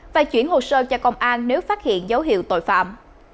và chuyển hồ sơ cho công an nếu phát hiện dấu hiệu tội phạm